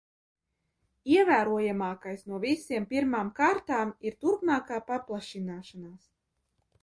Ievērojamākais no visiem pirmām kārtām ir turpmākā paplašināšanās.